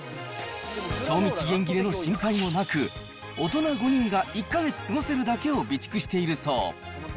賞味期限切れの心配もなく、大人５人が１か月過ごせるだけを備蓄しているそう。